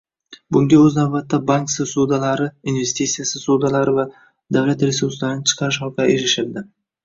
Bunga, o'z navbatida, bank ssudalari, investitsiya ssudalari va davlat resurslarini chiqarish orqali erishildi